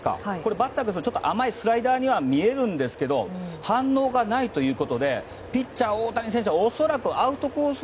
バッターは甘いスライダーには見えるんですが反応がないということでピッチャー、大谷選手は恐らくアウトコース